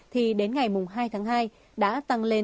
thì đến ngày hai tháng hai đã tăng lên tám trăm năm mươi bảy